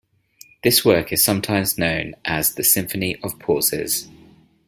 This work is sometimes known as the "Symphony of Pauses".